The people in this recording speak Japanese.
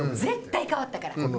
絶対変わったから。